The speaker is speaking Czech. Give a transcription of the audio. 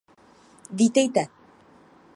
Vítejte.